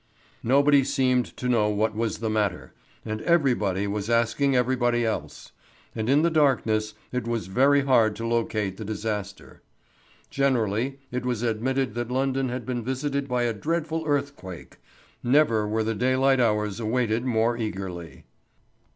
Nobody seemed to know what was the matter, and everybody was asking everybody else. And in the darkness it was very hard to locate the disaster. Generally, it was admitted that London had been visited by a dreadful earthquake. Never were the daylight hours awaited more eagerly.